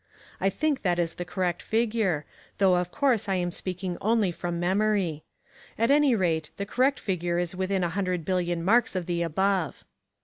I think that is the correct figure, though of course I am speaking only from memory. At any rate, the correct figure is within a hundred billion marks of the above.